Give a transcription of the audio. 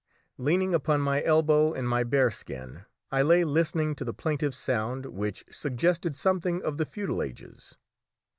Leaning upon my elbow in my bear skin I lay listening to the plaintive sound, which suggested something of the feudal ages.